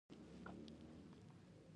هیڅ اندیښنه مه کوئ که شتمن نه یاست.